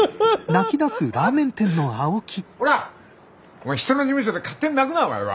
お前人の事務所で勝手に泣くなお前は！